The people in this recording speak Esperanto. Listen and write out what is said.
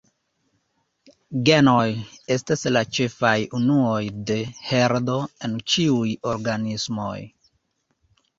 Genoj estas la ĉefaj unuoj de heredo en ĉiuj organismoj.